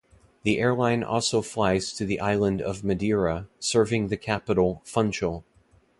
The airline also flies to the island of Madeira, serving the capital Funchal.